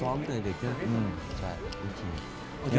ลองตั้งแต่เด็กครับอืมใช่